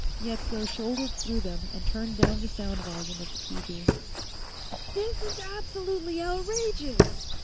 Yetsko shouldered through them and turned down the sound volume of the TV. "This is absolutely outrageous!"